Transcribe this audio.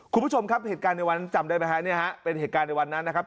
คุณผู้ชมครับเหตุการณ์ในวันนั้นจำได้ไหมฮะเนี่ยฮะเป็นเหตุการณ์ในวันนั้นนะครับ